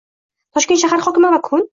Toshkent shahar hokimi va Kun